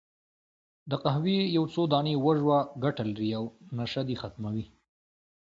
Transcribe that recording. د قهوې یو څو دانې وژووه، ګټه لري، او نشه دې ختمه وي.